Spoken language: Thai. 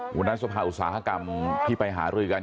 หัวหน้าสภาอุตสาหกรรมที่ไปหารือกัน